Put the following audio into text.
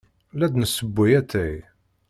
La d-nessewway atay.